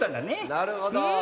なるほど。